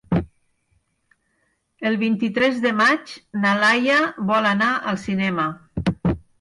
El vint-i-tres de maig na Laia vol anar al cinema.